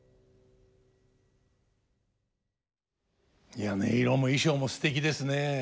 いや音色も衣装もすてきですね。